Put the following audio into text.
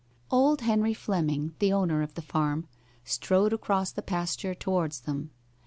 Old Henry Fleming, the owner of the farm, strode across the pasture towards them.